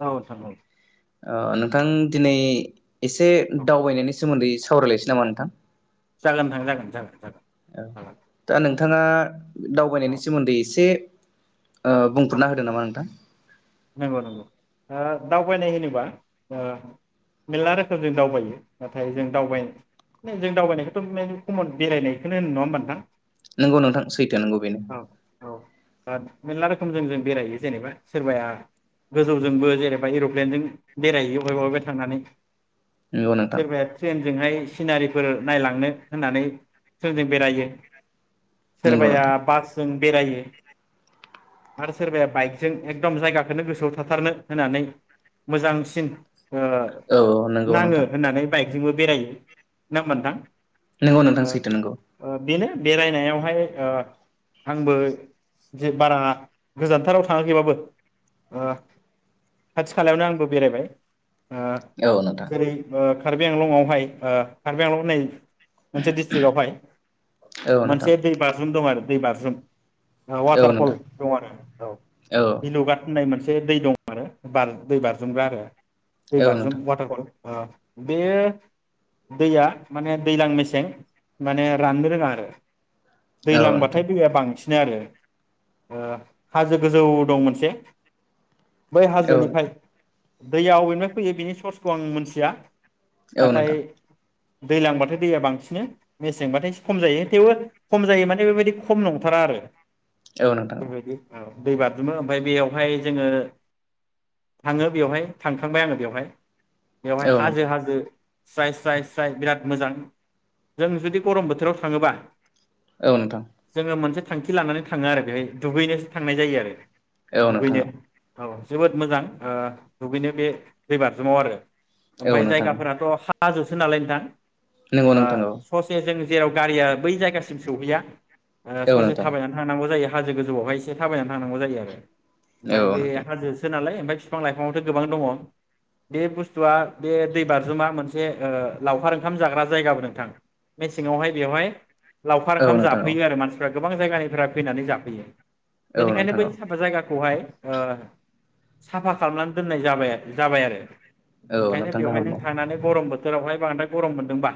औ [unintelligible] ओ नोंथां दिनै एसे औ दावबायनायनि सोमोन्दै सावरायलायसै नामा नोंथां? जागोन नोंथां जागोन जागोन। जागोन औ जागोन दा नों थाङा औ दावबायनायनि सोमोन्दै एसे ओ औ औ बुंफोर'ना होदो नामा नोंथां? नंगौ नंगौ ओ दावबायनाय होनोबा ओ मेरला रोखोम जों दावबायो नाथाय जों दावबाय दिनो जों दावबायनायखौथ' म खमन बेरायनायखौनो होनो नङा होमबा नोंथां? नोंगौ नोंथां सैथो नोंगौ बेनो। औ मेरला रोखोमजों जों बेरायो जेनेबा सोरबाया गोजौजोंबो जेरेबा एर'प्लेनजों बेरायहैयो बहायबा बहायबा थांनानै। नंगौ नोंथां सोरबाया ट्रेनजोंहाय सिनारिफोर नायलांनो होननानै ट्रेन जों बेरायो। नंगौ सोरबाया नोंथां बासजों बेरायो आरो सोरबाया बाइकजों एकदम जायगा होनो गोसोआव थाथारनो होननानै मोजांसिन ओ औ औ नंगौ नाङो नोंथां होननानै बाइकजोंबो बेरायो। नाममोनथां नोंगौ नोंथां सैथो नोंगौ। बेनो बेरायनायावहाय ओ आंबो जे बारा गोजानथाराव थाङाखैबाबो ओ खाथि खालायावनो आंबो बेरायबाय ओ औ नोंथां जेरै ओ कार्बि आंलंआवहाय कारबि आंलं होननाय मोनसे डिस्ट्रिक्टआवहाय औ नोंथां मोनसे दै बाजरुम दं आरो। दै बाज्रुम औ वाटारफल नोंथां दं आरो औ औ मिनुगा नाय मोनसे दै दं आरो दै बारजुमग्रा आरो दै औ नोंथां औ नोंथां बाज्रुम वाटार फल बे दैया माने दैलां मेसें माने राननो रोङा आरो औ नोंथां दैलांबाथाय दैया बांसि नो आरो हाजो गोजौ दं मोनसे बै औ हाजोनिफ्राय दैयाव अबेनिफ्राय फैयो बिनि सर्सखौ आं मिथिया नाथाय नोंथां दैलांबाथाय दैया बांसिन मेसेंबाथाय एसे खम जायो थेवबो खम जायो माने बेबायदि खम नंथारा आरो औ नोंथां औ नोंथां बेबायदि औ दै बाज्रुमो ओमफाय बेयाव बेवहाय जोंङो थाङो बेवहाय थांखांबाय आंङो बेवहाय बेवहाय औ नोंथां हाजो हाजो स्राय स्राय स्राय बिराद मोजां जों जुदि गरम बोथोराव थाङोबा औ नोंथां। जोङो मोनसे थांखि लानानै थाङो आरो बेहाय दुगैनोसो थांनाय जायो आरो। नोंथां दुगैनो औ। जोबोद मोजां ओ दुगैनो बे दै बारजुमाव आरो औ ओमफ्राय नोंथां औ जायगाफोराथ हाजो [inaudible] नालाय नोंथां नंगौ नोंथां औ ओ ससे जों जेराव गारिया बै जायगासिम सहैया औ ससे नोंथां थाबायनानै थांनांगौ जायो। हाजो गोजौआवहाय एसे थाबायनानै थांनांगौ जायो आरो। औ ओमफाय बे नोंथां हाजोसो नालाय ओमफ्राय बिफां लाइफाङावथ गोबां दङ बे बुस्थुआ बे दै बाज्रुमा मोनसे ओ लावखार ओंखाम जाग्रा जायगाबो नोंथां मेसेंआवहाय बेवहाय लावखार औ ओंखाम औ नोंथां औ जाफैयो आरो मानसिफ्रा गोबां जायगानिफ्राय फैनानै जाफैयो। औ बेनिखायनो नोंथां बै औ साफा जायगा [unintelligible] ओ साफा खालामनानै दोननाय जाबाय -जाबाय आरो। औ ओंखायनो नोंथां बेवहाय गाहाम जों औ थांनानै गरम बोथोरावहाय बांद्राय गरम मोन्दोंबा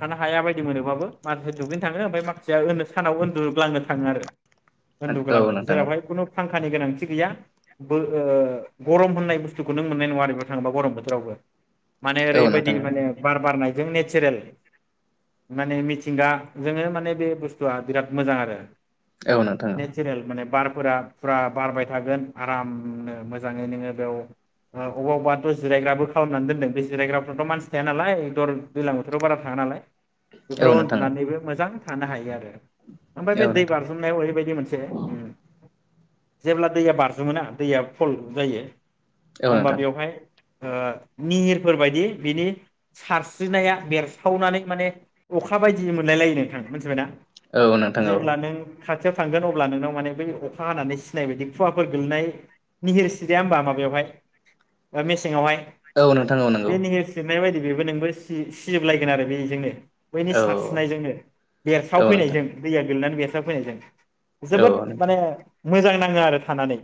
थानो हायाबायदि बायदि मोनोबाबो माखासे दुगैनो थाङो ओमफाय माखासेया सानाव उन्दुग्लांनो थाङो आरो। औ उन्दुग्लांनो नोंथां औ जेरावहाय खुनु फांखानि गोनांथि गैया बो गरम होननाय बुस्थुखौ नों मोननाय नङा आरो बेवथाङोबा गरम बोथोरावबो। माने औ ओरैबायदि नोंथां माने बार बारनाय। जों नेचारेल माने मिथिंगा जोंङो माने बे बुस्थुआ बिराद मोजां आरो। औ नोंथां औ नेचारेल माने बार [unintelligible] फुरा बारबाय थागोन आरामनो मोजाङै नोंङो बेयाव अबेबा- अबेबाथ' जिरायग्राबो खालामनानै दोनदों बे जिरायग्राफ्राथ' मानसि थाया नालाय दर दैज्लां बोथोराव बारा थाङा नालाय। औ बेफोराव नोंथां औ उन्दुनानैबो मोजां थानो हायो आरो। ओमफ्राय बे औ दै नोंथां बारजोमनायाव ओरैबायदि मोनसे जेब्ला दैया बारजोमोना दैया फल जायो। औ होमबा नोंथां बेवहाय ओ निहिरफोर बायदि बिनि सारस्रिनाया बेरसावनानै माने अखा बायदि मोनलाय लायो नोंथांङा मोनथिबाय ना। औ नोंथां औ। खाथियाव थांगोन अब्ला नोंनाव माने बै अखा हानानै सिनाय बायदि खुवाफोर गोलैनाय निहिर सिदया होमबा माबायावहाय मेसेंयावहाय औ नोंथां औ नंगौ। बेबो नोंबो सि-सिजोबलायगोन आरो बेजोंनो। बैनि औ सारस्रिनायजोंनो बेरस्राव औ नोंथां फैनायजों दैया गोलैनानै [unintelligible] थाब फैनाय [unintelligible] औ जोबोद नोंथां माने मोजां नांङो आरो थानानै।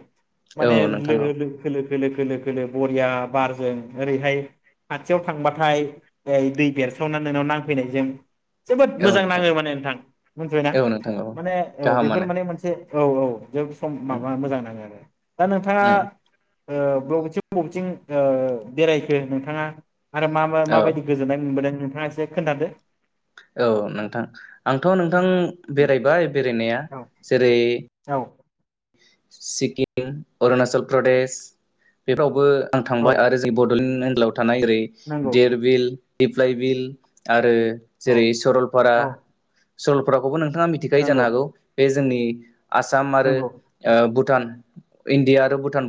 औ माने नोंथां लोगो लोखो [unintelligible] खोलो -खोलो- खोलो बरिया बारजों ओरैहाय खाथियाव थांबाथाय ओ दै बेरस्रावनानै नोंनाव नांफैनायजों जोबोद औ औ मोजां नोंथां नांङो माने नोंथां मोनथिबायना औ नोंथां औ माने औ बेफोर गाहामानो माने मोनसे औ औ। जोब सम उम माबा मोजां नांङो आरो दा नोंथांङा उम बबेथिं बबेथिं ओ बेरायखो नोंथांङा? आरो मा औ माबायदि गोजोननाय मोनबोदों? नोंथांङा एसे खोन्थादो औ नोंथां आंथ' नों थां बेरायबाय बेरायनाया औ जेरै औ सिक्किम अरुणाचल प्रदेश बेफोरावबो आं औ थांबाय आरो जों बड'लेण्ड ओनलाव थानाय ओरै नंगौ देरबिल दिप्लाइ बिल आरो औ जेरै सरलपारा औ सरलफाराखौबो नों थांङा मिथिखायो जानो नंगौ हागौ बे जोंनि आसाम आरो नंगौ भुटान इण्डिया आरो भुट टान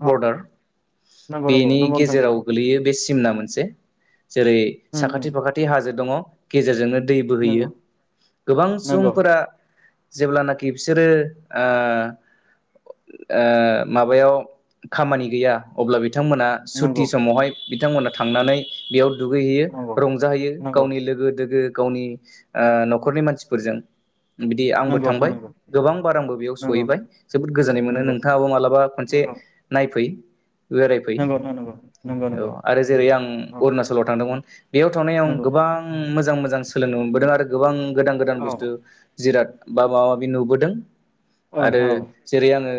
औ नंगौ नंगौ बेनि नंगौ नोंथां गेजेराव नंगौ गोलैयो बे सिमना मोनसे जेरै उम उम साखाथि फाखाथि हाजो दङ गेजेरजोंनो दै नंगौ बोहैयो गोबां नंगौ सुबुंफोरा जेब्लानाखि बिसोरो ओ ओ माबायाव खामानि गैया अब्ला बिद बिथांमोना सुटि नंगौ समावहाय बिथांमोना थांनानै बेयाव दुगैहैयो नंगौ रंजाहैयो नंगौ गावनि लोगो दोगो गावनि ओ न'खरनि मानसिफोरजों बिदि आंबो नंगौ नोंथां थांबाय गोबां बार आंबो बेयाव नंगौ सहैबाय जोबोद गोजोननाय मोनो नंगौ नोंथाङाबो मालाबा खनसे नंगौ नायफै बेरायफै नंगौ नंगौ औ नोंथां आरो जेरै आं अरुणाचलाव थांदोंमोन बेयाव थानाय नंगौ औ आं नंगौ गोबां मोजां मोजां सोलोंनो मोनबोदों आरो गोबां गोदान गोदान औ बुस्थु जिराद बा मा माबि नुबोदों ओं आरो थार ओं जेरै आङो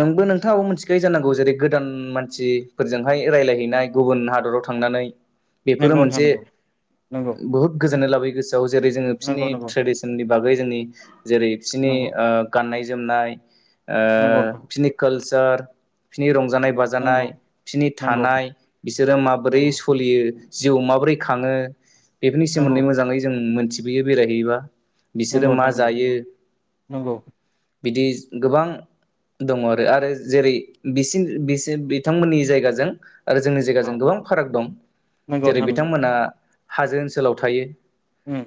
नोंबो नोंथाङाबो मिथिखायो जानांगौ जेरै गोदान मानसिफोरजोंहाय रायलायहैनाय गुबुन हादराव थांनानै बेफोरो नंगौ नोंथां मोनसे नंगौ बहुद गोजोननाय लाबोयो। गोसोआव जेरै जोङ बिसिनि नंगौ नंगौ ट्रेडिसननि बागै जोंनि जेरै बिससिनि नंगौ नंगौ ओ गाननाय जोमनाय नंगौ ओ नोंथां पिनि केल जाय बिसिनि रं जानाय बाजानाय नंगौ बिसोरनि नंगौ थानाय बिसोरो माबोरै सोलियो जिउ माबोरै खाङो बेफोरनि सोमोन्दै मोजाङै जों मिथि बियोबो बेरायहैयोबा बिसोरो नंगौ मा नंगौ नोंथां नंगौ जायो। नंगौ बिदि गोबां दङ आरो आरो जेरै बिसिम बिसे बिथांमोननि जायगाजों आरो जोंनि औ जायगाजों गोबां फाराग दं नंगौ जेरै नोंथां नंगौ बिथांमोना हाजो ओनसोलाव थायो। उम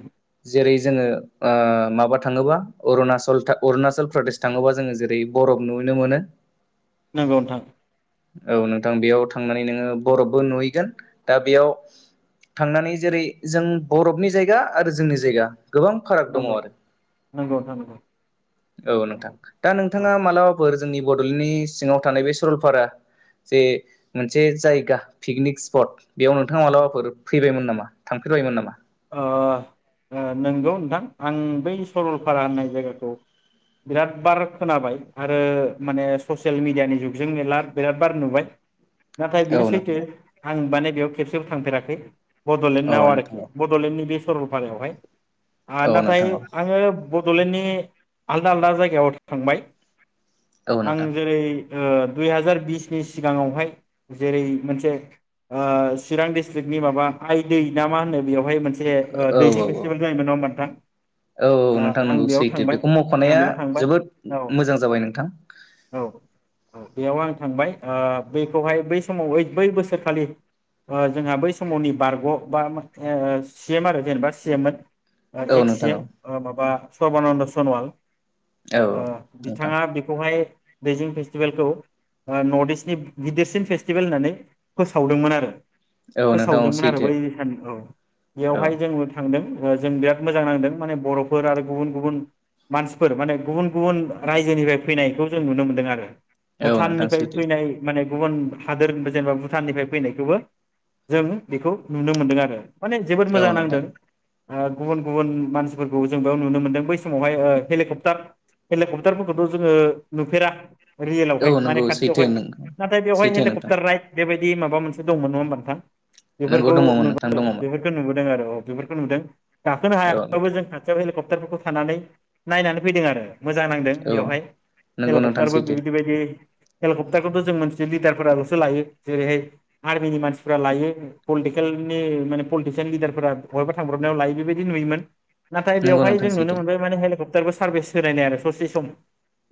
जेरै जोङो ओ माबा थाङोबा अरुणाचल अरुणाचल प्रदेश थाङोबा जोङो जेरै बरफ नुनो मोनो नंगौ नोंथां‌ औ नोंथां बेयाव थांनानै नोङो बरफबो नुहैगोन दा बेयाव थांनानै जेरै जों बरफनि जायगा आरो जोंनि जायगा गोबां फाराग दङ नंगौ आरो नंगौ नोंथां नंगौ औ नोंथां नंगौ दा औ नोंथाङा मालाबा फोर जोंनि बड'लेण्डनि सिङाव थानाय बे सरलपारा जे मोनसे जायगा पिकनिक स्पट बेयाव नोंथाङा औ मालाबाफोर फैबायमोन नामा? थांफेरबायमोन नामा? ओ ओ नंगौ नोंथां आं बै सरलपारा होननाय जायगाखौ बिराद बार खोनाबाय आरो माने ससियेल मिडियानि जुगजों मेरला बिराद बार नुबाय नाथाय औ बेयो सैथो नोंथां आं माने बेयाव खेबसेबो थांफेराखै औ बड'लेण्डाव नोंथां आरोखि औ बड'लेण्डनि बे सरलपारायावहाय आ औ नाथाय नोंथां औ आङो बड'लेण्डनि आलदा आलदा जायगायाव थांबाय औ आं नोंथां जेरै- ओ दुइ हाजार बिसनि सिगाङावहाय जेरै मोनसे ओ चिरां डिस्ट्रिकनि माबा आइ दै ना मा होनो बेवहाय मोनसे मोनसे औ दैजिं औ औ फेस्टिबेल जायोमोन नङा होनबा नोंथां औ ओ औ नोंथां आं नंगौ बेयाव सैथो थांबाय बेखौ आं मख'नाया बेयाव थांबाय जोबोद औ मोजां जाबाय नोंथां औ औ बेयाव आं थांबाय बखौहाय बै समाव बै बोसोरखालि जोंहा बै समावनि बारग' बा सि एम आरो जेनेबा सि एम मोन औ एक्स सि नोंथां इ एम औ ओ माबा सर्बानन्द' सन'वाल औ ओ औ नोंथां बिथाङा बेखौहाय दैजिं फेस्टिभेलखौ नर्थ इस्टनि गिदिरसिन फेस्टिभेल होननानै फोसावदोंमोन आरो औ नोंथां औ फोसावदोंमोन आरो सैथो बै सान औ औ बेयावहाय जोङो थांदों जों बिराद मोजां नांदों माने बर'फोर आरो गुबुन गुबुन मानसिफोर माने गुबुन गुबुन रायजोनिफ्राय फैनायखौ जों नुनो मोन्दों आरो औ नोंथां भुटाननिफ्राय सैथो फैनाय माने गुबुन हादोरनिबो जेनेबा भुटाननिफ्राय फैनायखौबो जों बेखौ नुनो मोनदों आरो माने जोबोद औ मोजां नांदों नोंथां गुबुन गुबुन मानसिफोरखौ जों बेयाव नुनो मोनदों बै समावहाय ओ हेलिकप्टार हेलिकप्टारफोरखौथ' जोङो नुफेरा औ रियेलावहाय माने नंगौ सैथो खाथियावहाय नोंथां नाथाय बेवहाय सैथो नोंथां हेलिकप्टार राइड बेबायदि माबा मोनसे दंमोन नङा होमबा नोंथां नोंगौ बेफोरखौ दङमोन नोंथां नुबोदों दङमोन। बेफोरखौ नुबोदों आरो औ बेफोरखौ नुदों गाखोनो औ हायाखैबाबो जों खाथियाव हेलिक क्टारफोरखौ थानानै नायनानै फैदों आरो मोजां नांदों औ बेवहाय नंगौ नोंथां हेलिकप्टारबो सैथो बिबायदि बादि हेलिकप्टारखौथ' जों मोनसे लिडारफोराल'सो लायो जेरैहाय आर्मिनि मानसिफ्रा लायो पलिटिकेलनि माने पलिटिसियेल लिडारफोरा बहायबा थांब्रबनायाव लायो बेबायदि नुयोमोन। नाथाय नंगौ बेवहाय नोंथां जों नुनो सैथो मोनबाय माने हेलिकप टारबो सारभबिस होनायनाय आरो ससे सम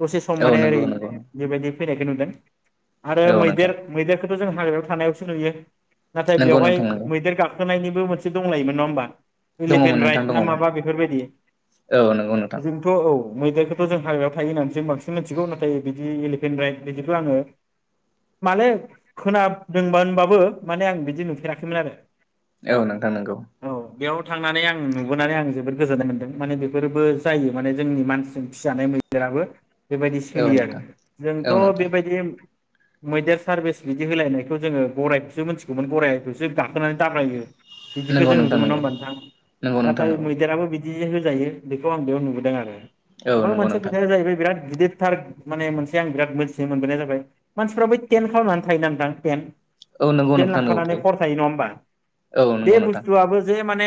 दसे सम औ माने ओरै नंगौ नंगौ बेबायदि फैनायखौ नुदों आरो औ मैदेर नोंथां मैदेरखौथ' जों हाग्रायाव थानायावसो नुयो नाथाय नंगौ बेवहाय नोंथां नंगौ मैदेर गाखो गाखोनायनिबो मोनसे दंलायोमोन नङा होमबा दङमोन एलिफेन नोंथां राइट ना दङमोन माबा बेफोरबायदि औ नंगौ नोंथां जोंथ' औ मैदेरखौथ' जों हाग्रायाव थायो होननानैसो जों बांसिन मिथिगौ नाथाय बिदि एलिफेन्ट राइड बिदिखौ आङो माने खोनादोंबबाबो माने आं बिदि नुफेराखैमोन आरो औ नोंथां औ बेयाव थांनानै आं नुबोनानै आं जोबोद गोजोननाय मोन्दों माने बेफोरबो जायो माने जोंनि मानसिजों फिजानाय मैदेराबो बेबायदि औ सोलियो आरो नोंथां औ जोंथ' नोंथां बेबायदि मैदेर सार्भिस बिदि होलायनायखौ जोङो गराइखौसो मिथिगौमोन गराइखौसो गाखोनानै दाब्रायो बिदिखौ नंगौ जों नोंथां नुदोंमोन नङा नंगौ होमबा नोंथां नंगौ नोंथां नाथाय नंगौ मैदेराबो बिद बि होजायो बेखौ आं बेयाव नुबोदों आरो औ ओमफाय नंगौ मोनसे नोंथां खोथाया जाहैबाय बिराद गिदिरथार माने मोनसे आं बिराद मोनथिनो मोनबोनाय जाबाय मानसिफ्रा बै टेन खालामनानै थायो ना नोंथां टेन औ नंगौ टेन नोंथां नंगौ लांफानानै हर थायो नङा होमबा औ नंगौ बे नोंथां बुस्थु आबो जे माने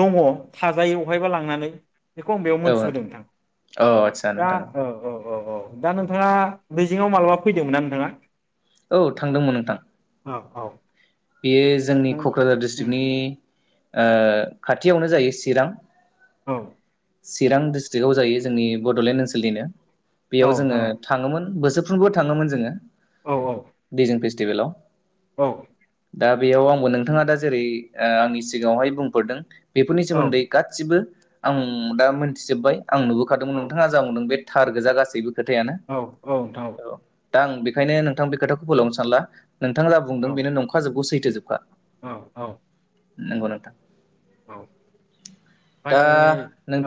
दङ थाजायो अबेहायबा लांनानै बेखौ आं बेयाव मोनथिबोदों नोंथां औ आदसा दा नोंथां औ औ औ औ दा नोंथाङा दैजिंआव मालाबा फैदोंमोनना नोंथाङा? औ थांदोंमोन नोंथां। औ औ बेयो जोंनि नों क'क्राझार उम डिस्ट्रिक्टनि ओ खाथियावनो जायो सिरां औ सिरां डिस्ट्रिक्टआव जायो जोंनि बड'लेण्ड ओनसोलनिनो बेयाव जोङो नोंथां औ थाङोमोन बोसोर फ्रुमबो थाङोमोन जोङो औ दैजिं फेस टिबेलाव औ दा बेयाव आंबो नोंथाङा दा जेरै ओ आंनि सिगाङावहाय बुंफोरदों बेफोरनि सोमोन्दै गासिबो आं दा मोनथिजोब्बाय आं औ नुबोखादोंमोन नोंथाङा जाबावदों बे थार गोजा गासैबो खोथायानो औ औ नोंथां औ दा आं बेखायनो नोंथां बे खोथाखौ फोलावनो सानला नोंथाङा जा बुंदों बेनो नंख गौ सैथोजोबखा औ औ नोंगौ नोंथां ओमफ्राय दा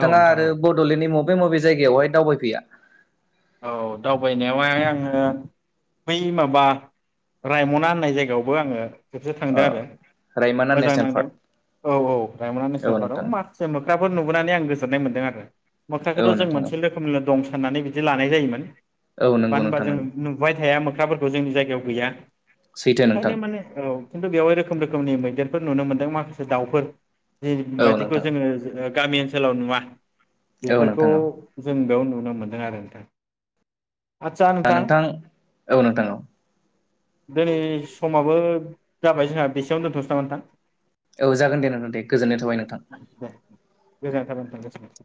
औ नोंथां आरो औ बड'लेण्डनि मु मबे मबे जायगायावहाय दावबायफैया औ दावबायनायावहाय आङो बै माबा रायमना होननाय जायगायावबो आङो खेबसे थांदों आरो रायमना मोजां नेसनेल नांदों पार्क औ औ रायमना औ नेसनेल पार्कआव नोंथां माखासे मोख्राफोर नुबोनानै आं गोजोन्नाय मोन्दों आरो औ मोख्राखोथ' जों नोंथां औ मोनसे रोखोमलनि दं होननानै बि बिदि लानाय जायोमोन औ नंगौ मानो होनबा नोंथां जों नंगौ नुबाय थाया म खोथाफोरखौ जोंनि जायगायाव गैया सैथो नोंथां बेखायनो माने औ बेवहाय रोखोम रोखोमनि मैदेरफोर नुनो मोन्दों माखासे दाउफोर दि औ बायदिखौ नोंथां जोङो ज ओ गामि ओनसोलाव नुवा औ बेफोरखौ नोंथां औ जों बेयाव नु नुनो मोनदों आरो [unintelligible] दा नोंथां औ नोंथां औ दिनै समाबो जाबाय जोंहा बेसेयावनो दोनथ'सै नामा नोंथां औ जागोन दे नोंथां दे गोजोननाय थाबाय नोंथां दे गोजोननाय थाबाय नोंथां गोजोनथों